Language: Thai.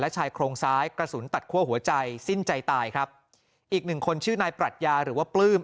ชายโครงซ้ายกระสุนตัดคั่วหัวใจสิ้นใจตายครับอีกหนึ่งคนชื่อนายปรัชญาหรือว่าปลื้ม